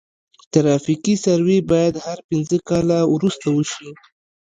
ترافیکي سروې باید هر پنځه کاله وروسته وشي